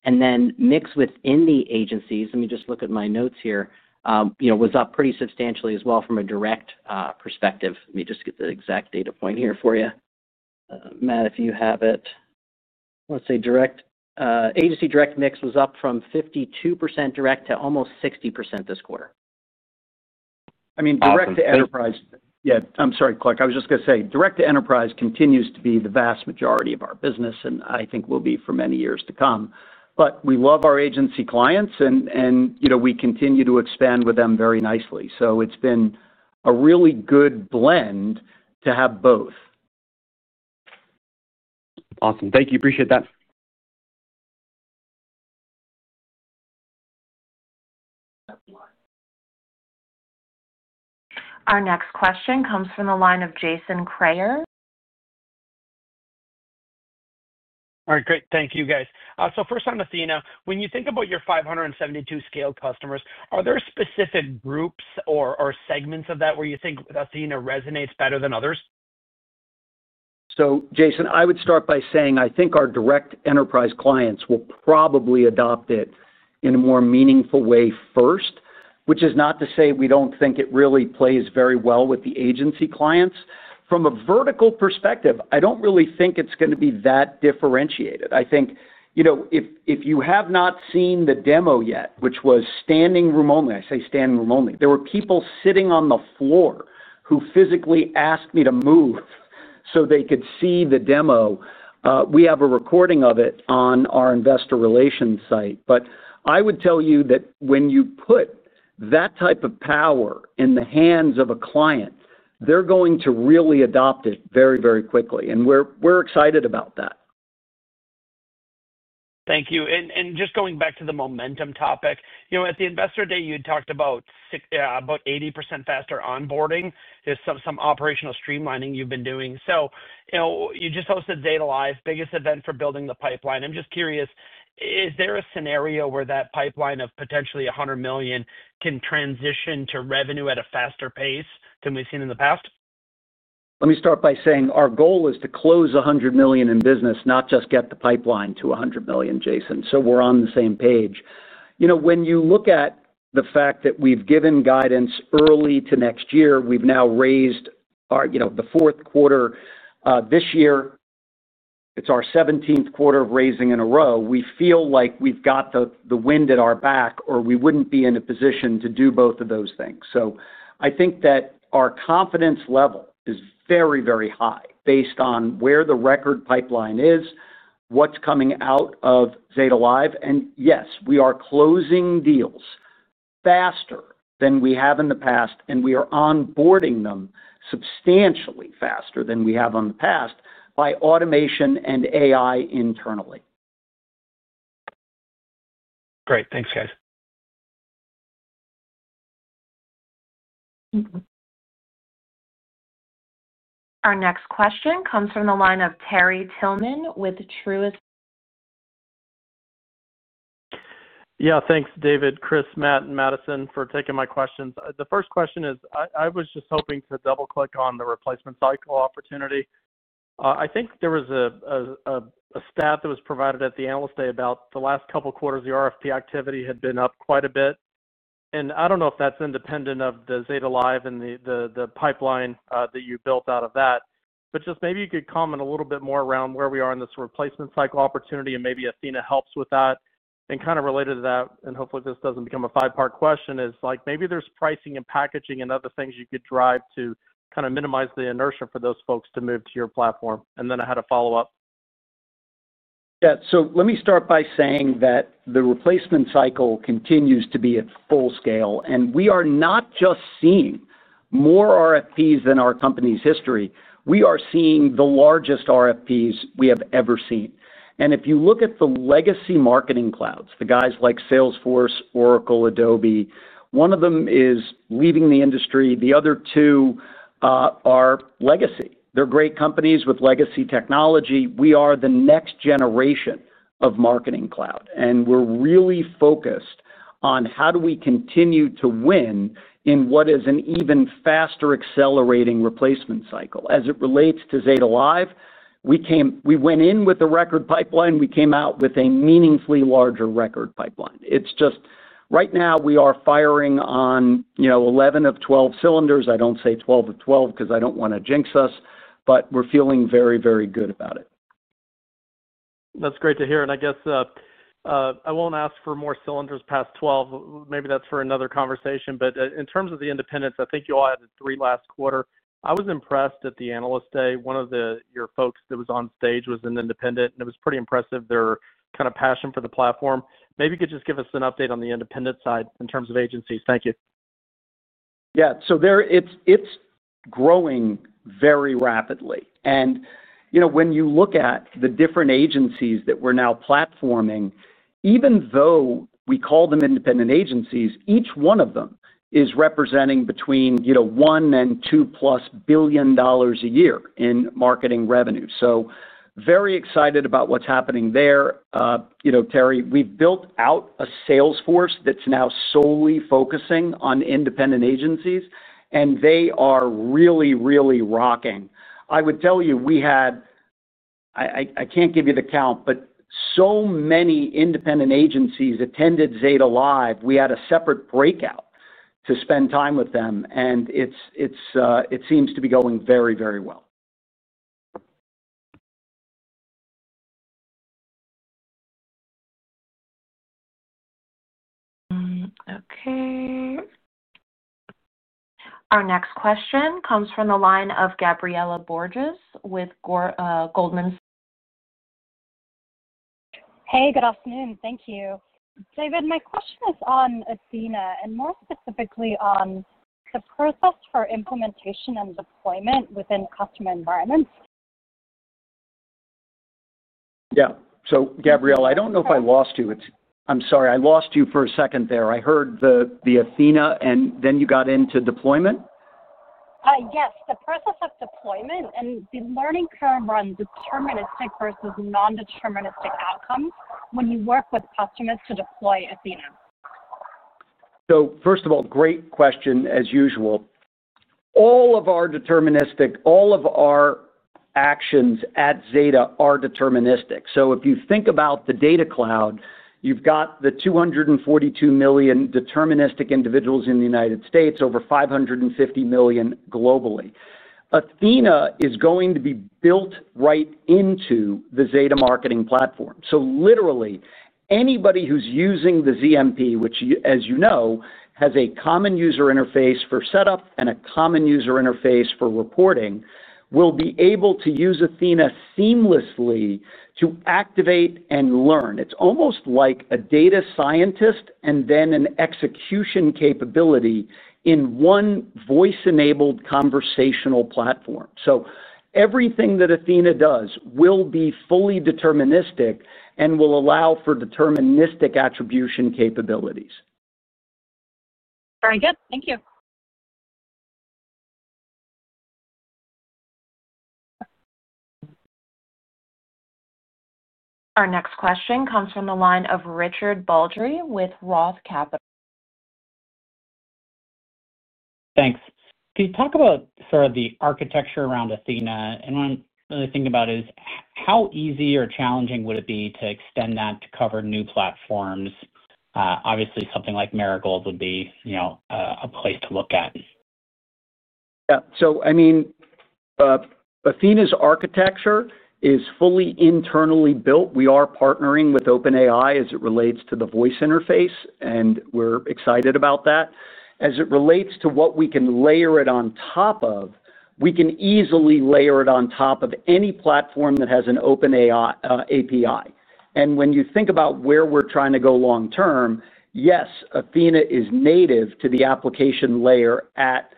And then mix within the agencies, let me just look at my notes here, was up pretty substantially as well from a direct perspective. Let me just get the exact data point here for you. Matt, if you have it. Let's see. Agency direct mix was up from 52% direct to almost 60% this quarter. I mean, direct to enterprise, yeah. I'm sorry, Clark. I was just going to say direct to enterprise continues to be the vast majority of our business, and I think will be for many years to come. But we love our agency clients, and we continue to expand with them very nicely. So it's been a really good blend to have both. Awesome. Thank you. Appreciate that. Our next question comes from the line of Jason Kreyer. All right. Great. Thank you, guys. So first on Athena, when you think about your 572 scaled customers, are there specific groups or segments of that where you think Athena resonates better than others? So Jason, I would start by saying I think our direct enterprise clients will probably adopt it in a more meaningful way first, which is not to say we don't think it really plays very well with the agency clients. From a vertical perspective, I don't really think it's going to be that differentiated. I think. If you have not seen the demo yet, which was standing room only, I say standing room only, there were people sitting on the floor who physically asked me to move so they could see the demo. We have a recording of it on our investor relations site. But I would tell you that when you put that type of power in the hands of a client, they're going to really adopt it very, very quickly. And we're excited about that. Thank you. And just going back to the momentum topic, at the investor day, you had talked about 80% faster onboarding, just some operational streamlining you've been doing. So you just hosted Zeta Live, biggest event for building the pipeline. I'm just curious, is there a scenario where that pipeline of potentially $100 million can transition to revenue at a faster pace than we've seen in the past? Let me start by saying our goal is to close $100 million in business, not just get the pipeline to $100 million, Jason, so we're on the same page. When you look at the fact that we've given guidance early for next year, we've now raised our guidance for the fourth quarter this year. It's our 17th quarter of raising in a row. We feel like we've got the wind at our back, or we wouldn't be in a position to do both of those things. So I think that our confidence level is very, very high based on where the record pipeline is, what's coming out of Zeta Live. And yes, we are closing deals faster than we have in the past, and we are onboarding them substantially faster than we have in the past by automation and AI internally. Great. Thanks, guys. Our next question comes from the line of Terry Tillman with Truist. Yeah. Thanks, David, Chris, Matt, and Madison for taking my questions. The first question is I was just hoping to double-click on the replacement cycle opportunity. I think there was a stat that was provided at the analyst day about the last couple of quarters the RFP activity had been up quite a bit. And I don't know if that's independent of the Zeta Live and the pipeline that you built out of that. But just maybe you could comment a little bit more around where we are in this replacement cycle opportunity, and maybe Athena helps with that. And kind of related to that, and hopefully, this doesn't become a five-part question, is maybe there's pricing and packaging and other things you could drive to kind of minimize the inertia for those folks to move to your platform. And then I had a follow-up. Yeah. So let me start by saying that the replacement cycle continues to be at full scale. And we are not just seeing more RFPs than our company's history. We are seeing the largest RFPs we have ever seen. And if you look at the legacy marketing clouds, the guys like Salesforce, Oracle, Adobe, one of them is leaving the industry. The other two are legacy. They're great companies with legacy technology. We are the next generation of marketing cloud. And we're really focused on how do we continue to win in what is an even faster accelerating replacement cycle. As it relates to Zeta Live, we went in with a record pipeline. We came out with a meaningfully larger record pipeline. It's just right now, we are firing on 11 of 12 cylinders. I don't say 12 of 12 because I don't want to jinx us, but we're feeling very, very good about it. That's great to hear. And I guess I won't ask for more cylinders past 12. Maybe that's for another conversation. But in terms of the independents, I think you all had a three last quarter. I was impressed at the Analyst Day. One of your folks that was on stage was an independent, and it was pretty impressive, their kind of passion for the platform. Maybe you could just give us an update on the independent side in terms of agencies. Thank you. Yeah. So it's growing very rapidly. And when you look at the different agencies that we're now platforming, even though we call them independent agencies, each one of them is representing between one and two-plus billion dollars a year in marketing revenue. So very excited about what's happening there. Terry, we've built out a sales force that's now solely focusing on independent agencies, and they are really, really rocking. I would tell you we had. I can't give you the count, but so many independent agencies attended Zeta Live. We had a separate breakout to spend time with them, and it seems to be going very, very well. Okay. Our next question comes from the line of Gabriela Borges with Goldman. Hey, good afternoon. Thank you. David, my question is on Athena and more specifically on the process for implementation and deployment within customer environments. Yeah. So Gabriela, I don't know if I lost you. I'm sorry. I lost you for a second there. I heard the Athena, and then you got into deployment? Yes. The process of deployment and the learning curve runs deterministic versus non-deterministic outcomes when you work with customers to deploy Athena. So first of all, great question as usual. All of our actions at Zeta are deterministic. So if you think about the data cloud, you've got the 242 million deterministic individuals in the United States, over 550 million globally. Athena is going to be built right into the Zeta Marketing Platform. So literally, anybody who's using the ZMP, which, as you know, has a common user interface for setup and a common user interface for reporting, will be able to use Athena seamlessly to activate and learn. It's almost like a data scientist and then an execution capability in one voice-enabled conversational platform. So everything that Athena does will be fully deterministic and will allow for deterministic attribution capabilities. Very good. Thank you. Our next question comes from the line of Richard Baldry with Roth Capital. Thanks. Can you talk about sort of the architecture around Athena? And one thing about it is how easy or challenging would it be to extend that to cover new platforms? Obviously, something like Marigold would be a place to look at. Yeah. So I mean. Athena's architecture is fully internally built. We are partnering with OpenAI as it relates to the voice interface, and we're excited about that. As it relates to what we can layer it on top of, we can easily layer it on top of any platform that has an OpenAI API. And when you think about where we're trying to go long-term, yes, Athena is native to the application layer at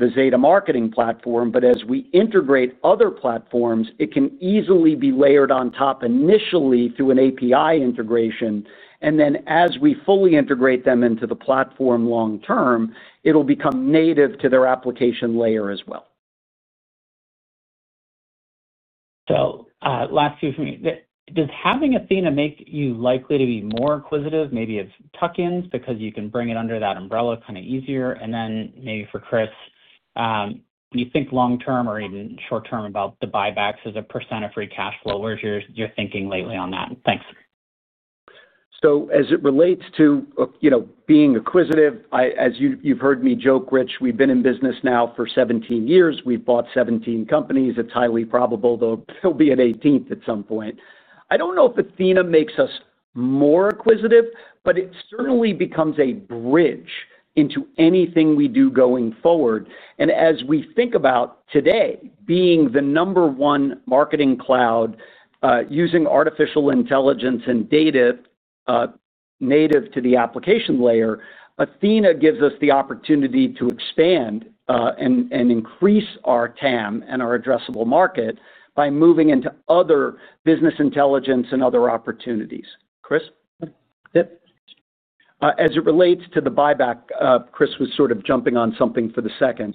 the Zeta Marketing Platform. But as we integrate other platforms, it can easily be layered on top initially through an API integration. And then as we fully integrate them into the platform long-term, it'll become native to their application layer as well. So last question for me. Does having Athena make you likely to be more inquisitive, maybe of tuck-ins because you can bring it under that umbrella kind of easier? And then maybe for Chris. You think long-term or even short-term about the buybacks as a percent of free cash flow. Where's your thinking lately on that? Thanks. So as it relates to being inquisitive, as you've heard me joke Rich, we've been in business now for 17 years. We've bought 17 companies. It's highly probable, though, it'll be an 18th at some point. I don't know if Athena makes us more inquisitive, but it certainly becomes a bridge into anything we do going forward. And as we think about today, being the number one marketing cloud using artificial intelligence and data native to the application layer, Athena gives us the opportunity to expand and increase our TAM and our addressable market by moving into other business intelligence and other opportunities. Chris? Yep. As it relates to the buyback, Chris was sort of jumping on something for the second.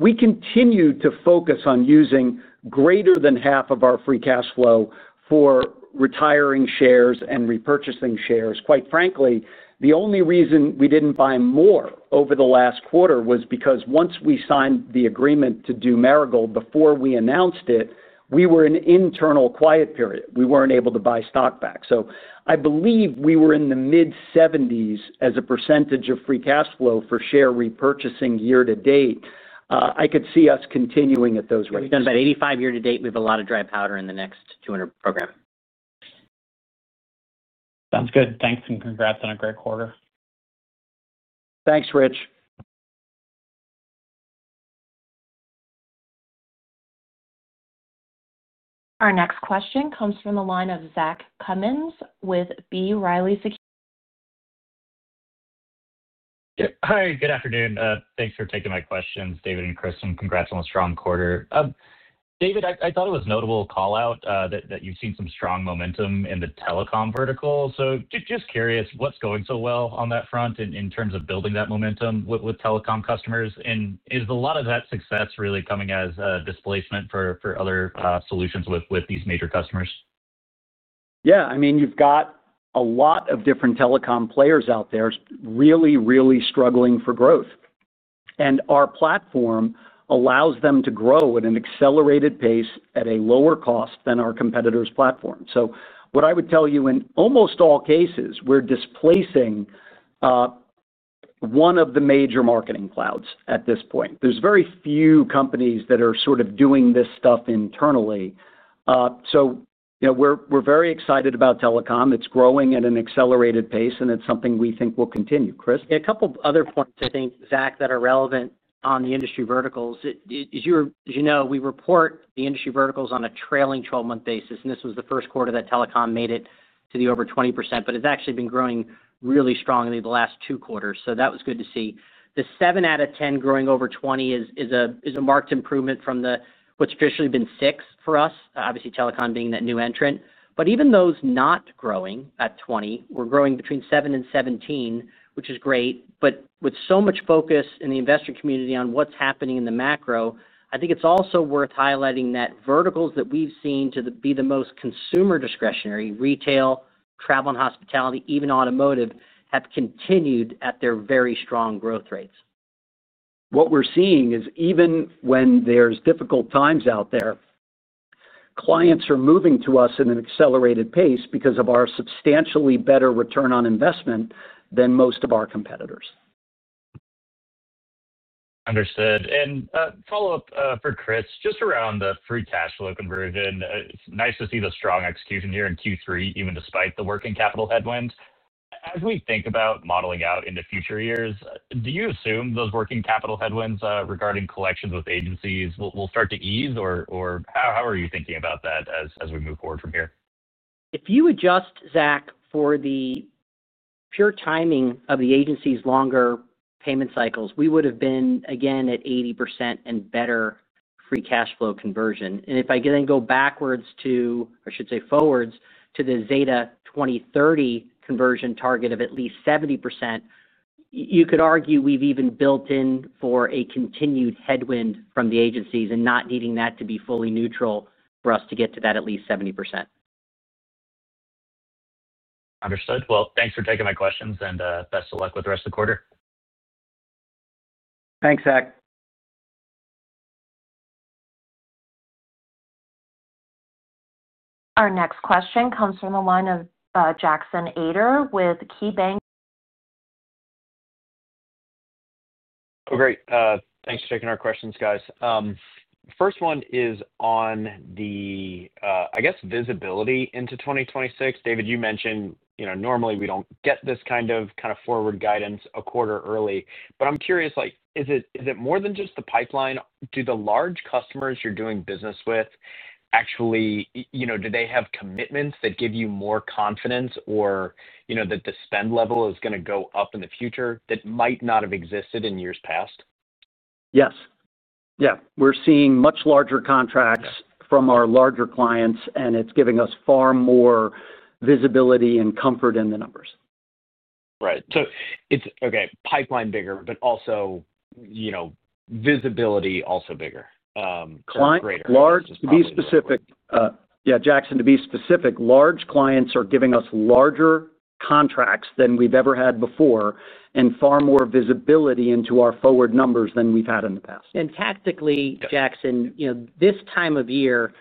We continue to focus on using greater than half of our free cash flow for retiring shares and repurchasing shares. Quite frankly, the only reason we didn't buy more over the last quarter was because once we signed the agreement to do Marigold before we announced it, we were in an internal quiet period. We weren't able to buy stock back. So I believe we were in the mid-70s% as a percentage of free cash flow for share repurchasing year to date. I could see us continuing at those rates. We've done about 85% year to date. We have a lot of dry powder in the next 200 program. Sounds good. Thanks. And congrats on a great quarter. Thanks, Rich. Our next question comes from the line of Zach Cummins with B. Riley Securities. Hi. Good afternoon. Thanks for taking my questions, David and Chris. And congrats on a strong quarter. David, I thought it was a notable callout that you've seen some strong momentum in the telecom vertical. So just curious, what's going so well on that front in terms of building that momentum with telecom customers? And is a lot of that success really coming as a displacement for other solutions with these major customers? Yeah. I mean, you've got a lot of different telecom players out there really, really struggling for growth. And our platform allows them to grow at an accelerated pace at a lower cost than our competitor's platform. So what I would tell you, in almost all cases, we're displacing one of the major marketing clouds at this point. There's very few companies that are sort of doing this stuff internally. So we're very excited about telecom. It's growing at an accelerated pace, and it's something we think will continue. Chris? Yeah. A couple of other points, I think, Zach, that are relevant on the industry verticals. As you know, we report the industry verticals on a trailing 12-month basis. And this was the first quarter that telecom made it to the over 20%, but it's actually been growing really strongly the last two quarters. So that was good to see. The seven out of 10 growing over 20% is a marked improvement from what's traditionally been six for us, obviously telecom being that new entrant. But even those not growing at 20%, we're growing between seven and 17%, which is great. But with so much focus in the investor community on what's happening in the macro, I think it's also worth highlighting that verticals that we've seen to be the most consumer discretionary, retail, travel and hospitality, even automotive, have continued at their very strong growth rates. What we're seeing is even when there's difficult times out there, clients are moving to us at an accelerated pace because of our substantially better return on investment than most of our competitors. Understood. And follow-up for Chris, just around the free cash flow conversion, it's nice to see the strong execution here in Q3, even despite the working capital headwinds. As we think about modeling out into future years, do you assume those working capital headwinds regarding collections with agencies will start to ease? Or how are you thinking about that as we move forward from here? If you adjust, Zach, for the pure timing of the agency's longer payment cycles, we would have been, again, at 80% and better free cash flow conversion. And if I then go backwards to, I should say forwards, to the Zeta 2030 conversion target of at least 70%. You could argue we've even built in for a continued headwind from the agencies and not needing that to be fully neutral for us to get to that at least 70%. Understood. Well, thanks for taking my questions, and best of luck with the rest of the quarter. Thanks, Zach. Our next question comes from the line of Jackson Ader with KeyBanc. Oh, great. Thanks for taking our questions, guys. First one is on the. I guess, visibility into 2026. David, you mentioned normally we don't get this kind of forward guidance a quarter early. But I'm curious, is it more than just the pipeline? Do the large customers you're doing business with. Actually, do they have commitments that give you more confidence or that the spend level is going to go up in the future that might not have existed in years past? Yes. Yeah. We're seeing much larger contracts from our larger clients, and it's giving us far more visibility and comfort in the numbers. Right. So it's, okay, pipeline bigger, but also. Visibility also bigger. Clients. To be specific. Yeah, Jackson, to be specific, large clients are giving us larger contracts than we've ever had before and far more visibility into our forward numbers than we've had in the past. And tactically, Jackson, this time of year,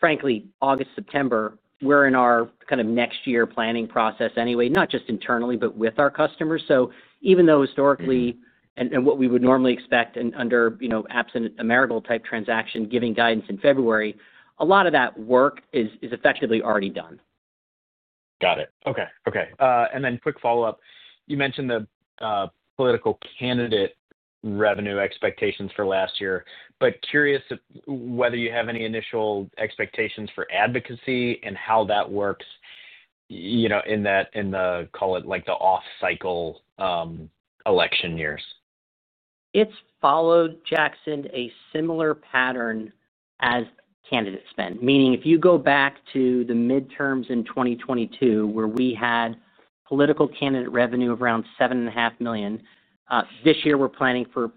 frankly, August, September, we're in our kind of next year planning process anyway, not just internally, but with our customers. So even though historically, and what we would normally expect under absent a Marigold-type transaction giving guidance in February, a lot of that work is effectively already done. Got it. Okay. Okay. And then quick follow-up. You mentioned the political candidate revenue expectations for last year, but curious whether you have any initial expectations for advocacy and how that works. In the, call it, the off-cycle. Election years. It's followed, Jackson, a similar pattern. As candidate spend. Meaning, if you go back to the midterms in 2022, where we had political candidate revenue of around $7.5 million, this year we're planning for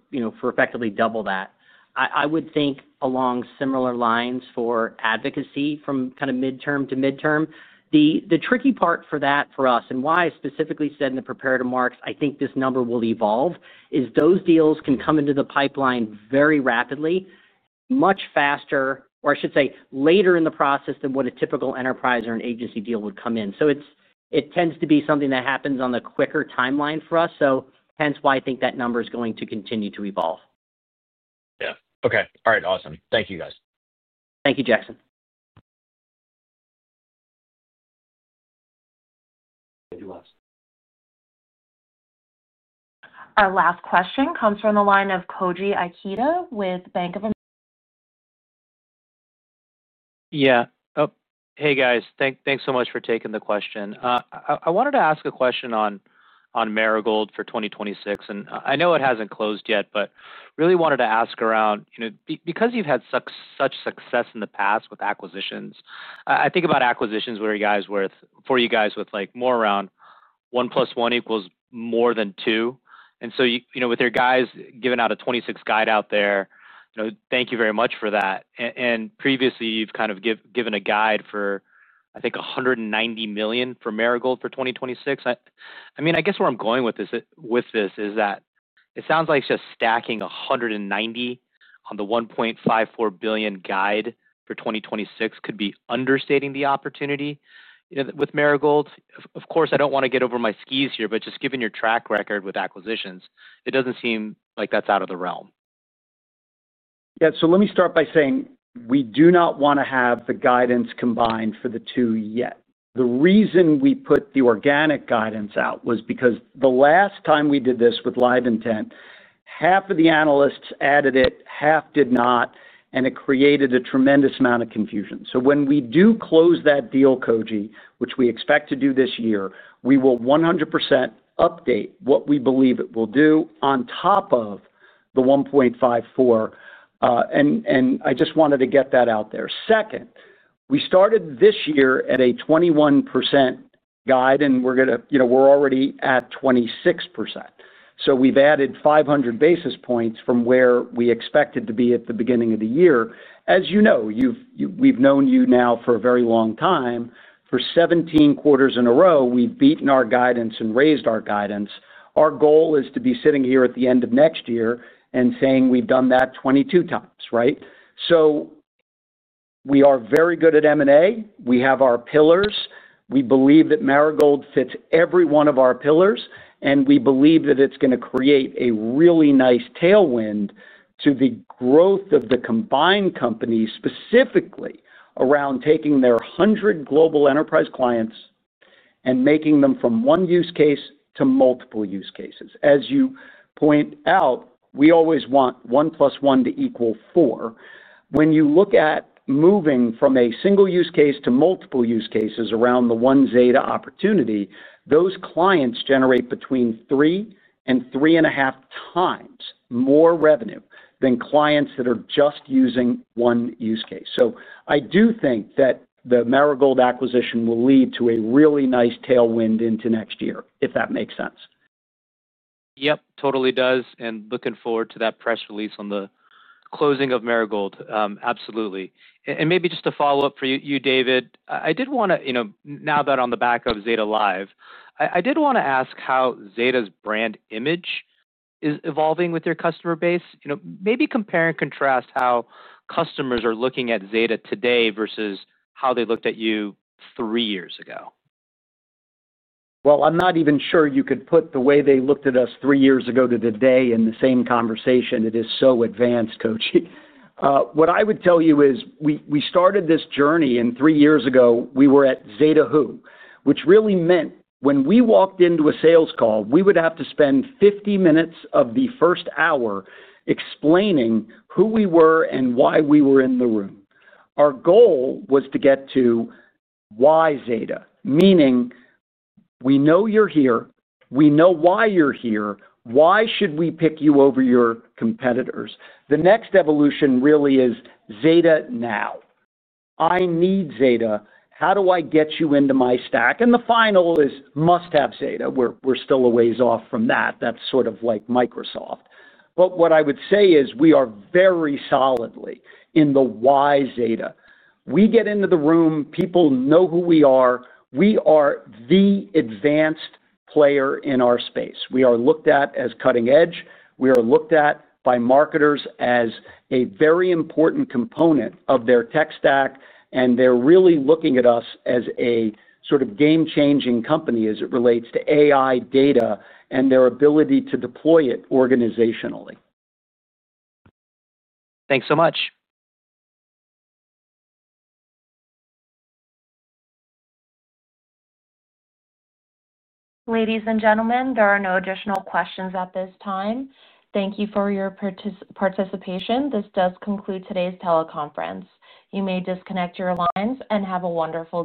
effectively double that. I would think along similar lines for advocacy from kind of midterm to midterm. The tricky part for that for us, and why I specifically said in the prepared remarks, I think this number will evolve, is those deals can come into the pipeline very rapidly, much faster, or I should say later in the process than what a typical enterprise or an agency deal would come in. So it tends to be something that happens on the quicker timeline for us. So hence why I think that number is going to continue to evolve. Yeah. Okay. All right. Awesome. Thank you, guys. Thank you, Jackson. Our last question comes from the line of Koji Ikeda with Bank of America. Yeah. Hey, guys. Thanks so much for taking the question. I wanted to ask a question on. Marigold for 2026. And I know it hasn't closed yet, but really wanted to ask around. Because you've had such success in the past with acquisitions, I think about acquisitions for you guys with more around. One plus one equals more than two. And so with your guys giving out a 2026 guide out there, thank you very much for that. And previously, you've kind of given a guide for, I think, $190 million for Marigold for 2026. I mean, I guess where I'm going with this is that it sounds like just stacking $190 million on the $1.54 billion guide for 2026 could be understating the opportunity with Marigold. Of course, I don't want to get over my skis here, but just given your track record with acquisitions, it doesn't seem like that's out of the realm. Yeah. So let me start by saying we do not want to have the guidance combined for the two yet. The reason we put the organic guidance out was because the last time we did this with LiveIntent, half of the analysts added it, half did not, and it created a tremendous amount of confusion. So when we do close that deal, Koji, which we expect to do this year, we will 100% update what we believe it will do on top of the 1.54. And I just wanted to get that out there. Second, we started this year at a 21% guide, and we're already at 26%. So we've added 500 basis points from where we expected to be at the beginning of the year. As you know, we've known you now for a very long time. For 17 quarters in a row, we've beaten our guidance and raised our guidance. Our goal is to be sitting here at the end of next year and saying we've done that 22x, right? So, we are very good at M&A. We have our pillars. We believe that Marigold fits every one of our pillars, and we believe that it's going to create a really nice tailwind to the growth of the combined company, specifically around taking their 100 global enterprise clients and making them from one use case to multiple use cases. As you point out, we always want one plus one to equal four. When you look at moving from a single use case to multiple use cases around the OneZeta opportunity, those clients generate between 3x and three and a half times more revenue than clients that are just using one use case. So I do think that the Marigold acquisition will lead to a really nice tailwind into next year, if that makes sense. Yep. Totally does. Looking forward to that press release on the closing of Marigold, absolutely. Maybe just a follow-up for you, David. I did want to, now that on the back of Zeta Live, I did want to ask how Zeta's brand image is evolving with your customer base. Maybe compare and contrast how customers are looking at Zeta today versus how they looked at you three years ago. I'm not even sure you could put the way they looked at us three years ago to today in the same conversation. It is so advanced, Koji. What I would tell you is we started this journey and three years ago, we were at Zeta Who, which really meant when we walked into a sales call, we would have to spend 50 minutes of the first hour explaining who we were and why we were in the room. Our goal was to get to Why Zeta, meaning. We know you're here, we know why you're here, why should we pick you over your competitors? The next evolution really is Zeta now. I need Zeta. How do I get you into my stack? And the final is must-have Zeta. We're still a ways off from that. That's sort of like Microsoft. But what I would say is we are very solidly in the why Zeta. We get into the room, people know who we are. We are the advanced player in our space. We are looked at as cutting edge. We are looked at by marketers as a very important component of their tech stack, and they're really looking at us as a sort of game-changing company as it relates to AI data and their ability to deploy it organizationally. Thanks so much. Ladies and gentlemen, there are no additional questions at this time. Thank you for your participation. This does conclude today's teleconference. You may disconnect your lines and have a wonderful.